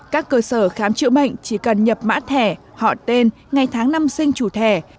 các cơ sở khám chữa bệnh chỉ cần nhập mã thẻ họ tên ngày tháng năm sinh chủ thẻ